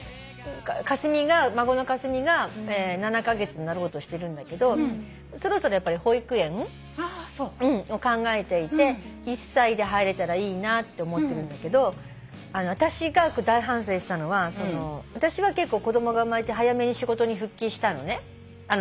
で孫の香澄が７カ月になろうとしてるんだけどそろそろやっぱり保育園を考えていて１歳で入れたらいいなって思ってるんだけど私が大反省したのは私は結構子供が生まれて早めに仕事に復帰したのね。